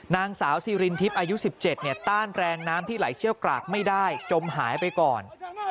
นางสาวซีรินทิพย์อายุ๑๗ต้านแรงน้ำที่ไหลเชี่ยวกรากไม่ได้จมหายไปก่อน